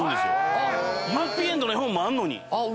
ハッピーエンドの絵本もあんのに。